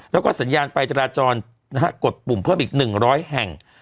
มีสนัยกระดาษสนับพอมปลุ่มอีก๑๐๐แห่ง